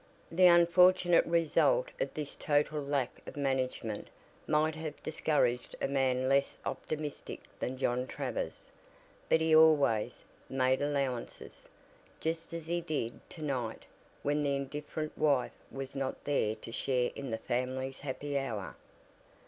The unfortunate result of this total lack of management might have discouraged a man less optimistic than John Travers, but he always "made allowances," just as he did to night when the indifferent wife was not there to share in the family's happy hour.